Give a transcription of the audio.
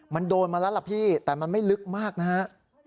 มันโดนมาแล้วล่ะพี่แต่มันไม่ลึกมากนะฮะ